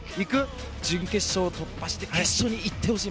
準決勝、突破して決勝に行ってほしい。